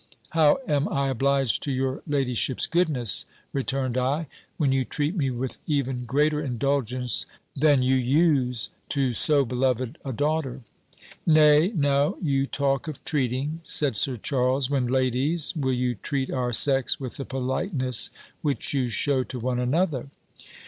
"How am I obliged to your ladyship's goodness," returned I, "when you treat me with even greater indulgence than you use to so beloved a daughter!" "Nay, now you talk of treating," said Sir Charles, "when, ladies, will you treat our sex with the politeness which you shew to one another?"